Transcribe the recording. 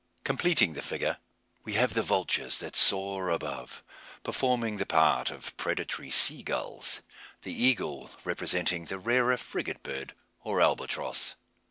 Completing the figure, we have the vultures that soar above, performing the part of predatory sea gulls; the eagle representing the rarer frigate bird, or albatross.